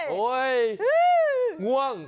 เฮ้ยง่วง